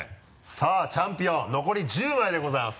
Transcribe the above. さぁチャンピオン残り１０枚でございます。